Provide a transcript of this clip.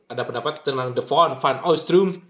ada pendapat tentang the von van ostrum